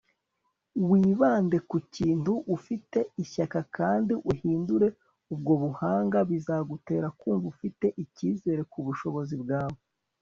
wibande ku kintu ufite ishyaka kandi uhindure ubwo buhanga; bizagutera kumva ufite icyizere ku bushobozi bwawe